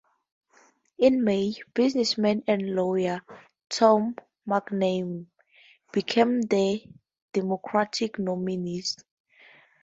In May, businessman and lawyer Thom McNamee became the Democratic nominee.